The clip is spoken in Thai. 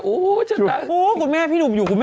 โอ้โฮคุณแม่พี่หนุ่มอยู่